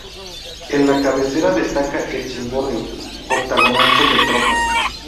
En la cabecera destaca el cimborrio octogonal sobre trompas.